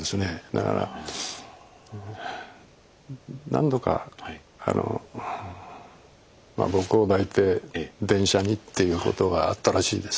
だから何度かあの僕を抱いて電車にっていうことがあったらしいです。